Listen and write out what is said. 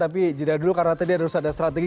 tapi jeda dulu karena tadi harus ada strategi